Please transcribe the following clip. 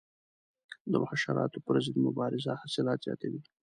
د حشراتو پر ضد مبارزه حاصلات زیاتوي.